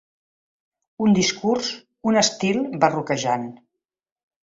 Un discurs, un estil, barroquejant.